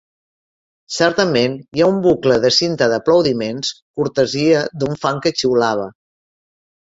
Certament, hi ha un bucle de cinta d'aplaudiments, cortesia d'un fan que xiulava.